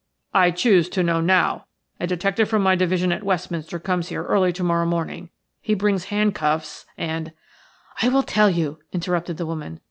"I choose to know now. A detective from my division at Westminster comes here early to morrow morning – he brings hand cuffs – and –" "I will tell you," interrupted the woman.